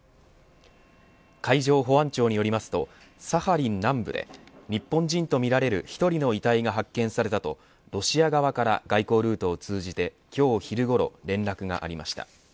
海上保安庁によりますとサハリン南部で日本人とみられる１人の遺体が発見されたとロシア側から外交ルートを通じて今日昼ごろ連絡がありました。